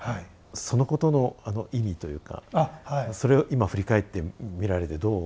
そのことの意味というかそれを今振り返ってみられてどう。